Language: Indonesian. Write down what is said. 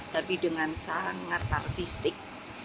tapi dengan sangat partistik